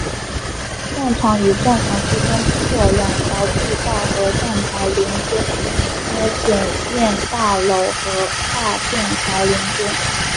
站场与站房之间通过两条地道和站台联接联检大楼的跨线桥连接。